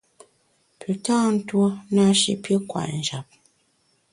Pü tâ ntuo na shi pi kwet njap.